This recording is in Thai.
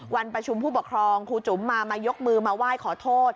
วันประชุมผู้ปกครองครูจุ๋มมามายกมือมาไหว้ขอโทษ